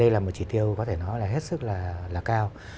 đây là một chỉ tiêu có thể nói là hết sức là cao